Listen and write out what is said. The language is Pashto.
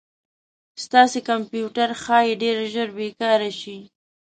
ستاسې کمپیوټر ښایي ډير ژر بې کاره شي